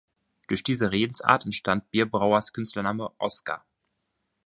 Durch diese Redensart entstand Bierbrauers Künstlername "Oskar".